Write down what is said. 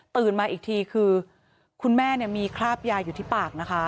มาอีกทีคือคุณแม่มีคราบยาอยู่ที่ปากนะคะ